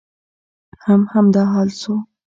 هم همدا حال شو.